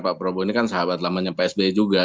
pak prabowo ini kan sahabat lamanya psb juga